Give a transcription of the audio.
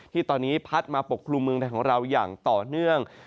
ที่ตอนนี้พัดมาปกครุมเมืองไทยของเราอย่างต่อเนื่อง